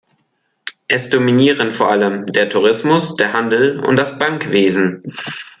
Es dominieren vor allem der Tourismus, der Handel und das Bankwesen.